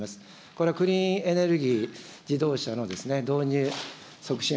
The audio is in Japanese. これ、クリーンエネルギー、自動車の導入促進